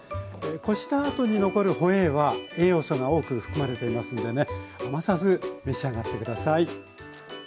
こしたあとに残るホエーは栄養素が多く含まれていますんでね余さず召し上がって下さい。